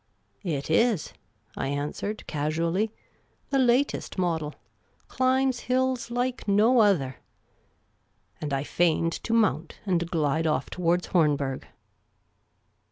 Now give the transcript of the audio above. " It is," I answered, casually; " the latest model. Climbs hills like no other." And I feigned to mount and glide off towards Hornberg.